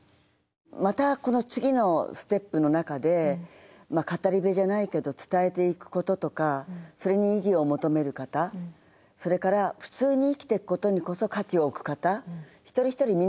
またこの次のステップの中で語り部じゃないけど伝えていくこととかそれに意義を求める方それから普通に生きていくことにこそ価値をおく方。